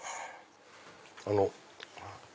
あの。